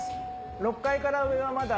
６階から上はまだ。